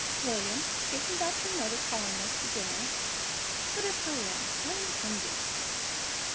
William, isn't that your mother calling us to dinner? Let us go in; I'm hungry."